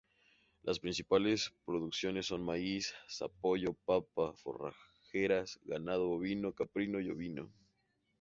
Las principales producciones son maíz, zapallo, papa, forrajeras; ganado bovino, caprino y ovino.